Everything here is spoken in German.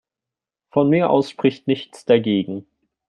Von mir aus spricht nichts dagegen.